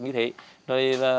nó cũng như thế